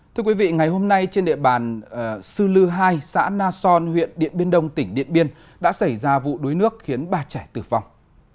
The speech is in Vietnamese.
thưa quý vị ngày hôm nay trên địa bàn sư lư hai xã na son huyện điện biên đông tỉnh điện biên đã xảy ra vụ đuối nước khiến ba trẻ tử vong